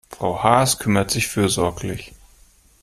Frau Haas kümmert sich fürsorglich.